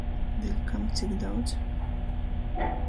Deļ kam cik daudz?